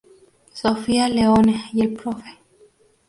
Sofía Leone y el Prof.